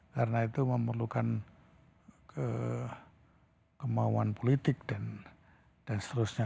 karena itu memerlukan kemauan politik dan seterusnya